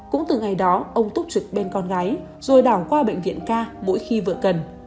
cũng từ ngày đó ông túc trực bên con gái rồi đảo qua bệnh viện ca mỗi khi vợ cần